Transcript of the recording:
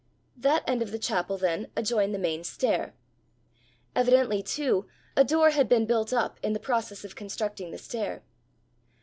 That end of the chapel, then, adjoined the main stair. Evidently, too, a door had been built up in the process of constructing the stair.